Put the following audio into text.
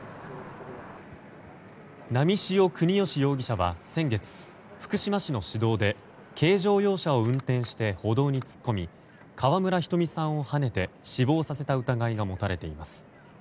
波汐國芳容疑者は先月、福島市の市道で軽乗用車を運転して歩道に突っ込み川村ひとみさんをはねて死亡させた疑いが持たれています。